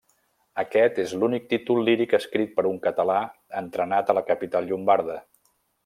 Aquest és l'únic títol líric escrit per un català estrenat a la capital llombarda.